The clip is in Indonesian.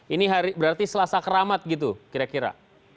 ini berarti selasa keramat gitu kira kira